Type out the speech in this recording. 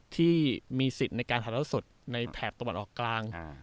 ที่มีสิทธิ์ในการถ่ายเท้าสดในแถบตะวันออกกลาง